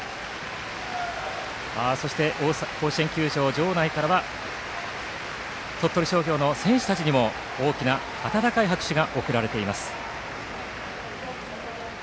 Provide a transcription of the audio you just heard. そして甲子園球場内からは鳥取商業の選手たちにも大きな温かい拍手が送られています。